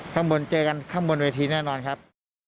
ข้างบนเจอกันข้างบนเวทีแน่นอนครับ